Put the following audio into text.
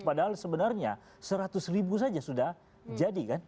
padahal sebenarnya seratus ribu saja sudah jadi kan